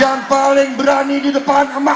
yang paling berani di depan amak amak